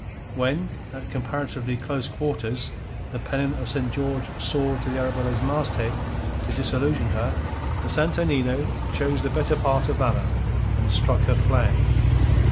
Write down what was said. When at comparatively close quarters the pennon of St. George soared to the Arabella's masthead to disillusion her, the Santo Nino chose the better part of valour, and struck her flag.